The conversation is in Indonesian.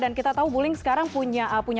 dan kita tahu wuling sekarang punya papan